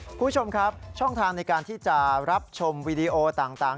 คุณผู้ชมครับช่องทางในการที่จะรับชมวีดีโอต่าง